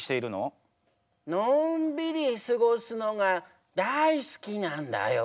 のんびり過ごすのが大好きなんだよ。